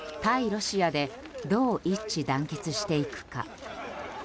ロシアでどう一致団結していくか。